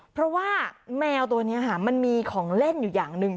เพราะว่าแมวตัวนี้มันมีของเล่นอยู่อย่างหนึ่ง